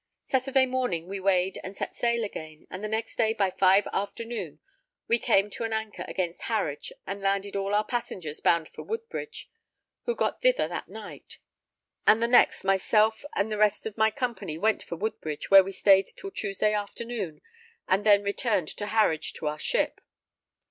Saturday morning we weighed and set sail again, and the next day by five afternoon we came to an anchor against Harwich and landed all our passengers bound for Woodbridge, who got thither that night; and the next myself and rest of my company went for Woodbridge, where we stayed till Tuesday afternoon and then returned to Harwich to our ship.